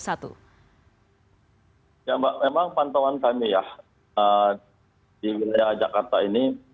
ya mbak memang pantauan kami ya di wilayah jakarta ini